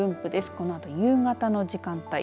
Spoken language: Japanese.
このあと夕方の時間帯。